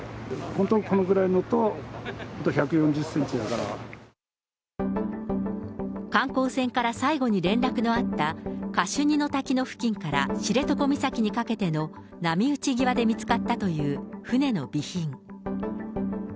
本当にこのぐらいのと、観光船から最後に連絡のあった、カシュニの滝の付近から知床岬にかけての波打ち際で見つかったという、船の備品。